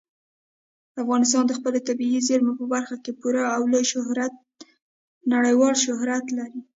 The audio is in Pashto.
افغانستان د خپلو طبیعي زیرمو په برخه کې پوره او لوی نړیوال شهرت لري.